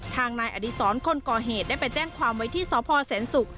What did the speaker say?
ทางนายอดีศรคนก่อเหตุได้ไปแจ้งความไว้ที่สพแสนศุกร์